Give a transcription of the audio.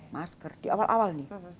masker di awal awal